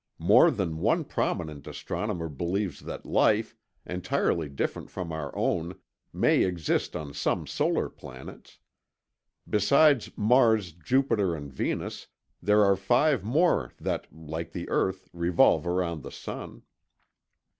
More than one prominent astronomer believes that life, entirely different from our own, may exist on some solar planets. Besides Mars, Jupiter, and Venus, there are five more that, like the earth, revolve around the sun.